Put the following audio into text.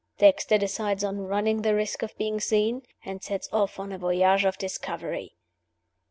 Dexter decides on running the risk of being seen and sets off on a voyage of discovery.